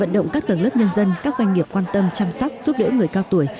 đơn các doanh nghiệp quan tâm chăm sóc giúp đỡ người cao tuổi